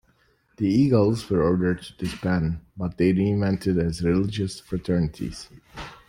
The Eagles were ordered to disband but they reinvented as religious fraternities.